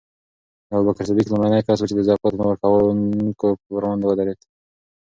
ابوبکر صدیق لومړنی کس و چې د زکات د نه ورکوونکو پر وړاندې ودرېد.